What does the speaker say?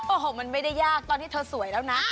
โอ้โหมันไม่ได้ยากตอนที่เธอสวยแล้วนะ